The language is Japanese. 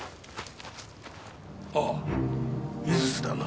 ああ井筒だな。